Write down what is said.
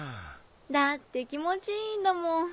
だって気持ちいいんだもん。